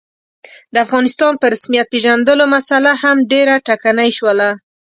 د افغانستان په رسمیت پېژندلو مسعله هم ډېره ټکنۍ شوله.